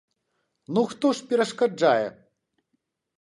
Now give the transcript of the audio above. Ну хто ж перашкаджае?